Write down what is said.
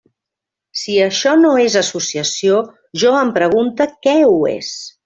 Si això no és associació, jo em pregunte què ho és.